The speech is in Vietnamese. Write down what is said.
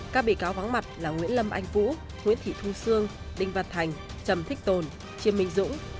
các bị cáo vắng mặt là nguyễn lâm anh vũ nguyễn thị thu sương đinh văn thành trầm thích tồn chiêm minh dũng